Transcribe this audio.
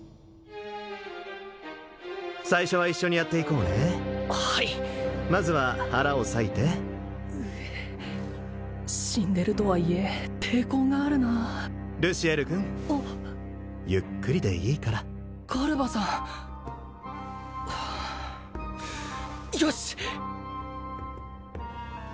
最初は一緒にやっていこうねはいまずは腹をさいて死んでるとはいえ抵抗があるなルシエル君ゆっくりでいいからガルバさんよし！